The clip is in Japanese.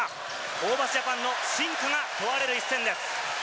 ホーバスジャパンの真価が問われる一戦です。